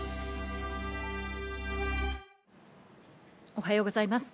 おはようございます。